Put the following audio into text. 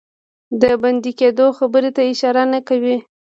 د بندي کېدلو خبري ته اشاره نه کوي.